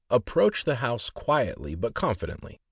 Approach the house qui etly but confidently.